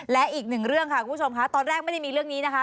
และอีกหนึ่งเรื่องค่ะคุณผู้ชมค่ะตอนแรกไม่ได้มีเรื่องนี้นะคะ